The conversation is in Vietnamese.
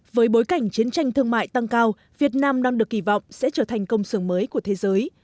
với bối cảnh chiến tranh thương mại tăng cao việt nam đang được kỳ vọng sẽ trở thành công sưởng mới của thế giới